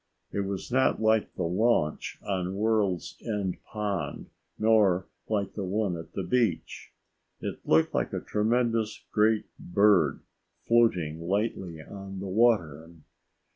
It was not like the launch on World's End Pond nor like the one at the beach. It looked like a tremendous great bird, floating lightly on the water.